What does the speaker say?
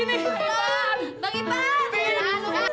mas apa itu pak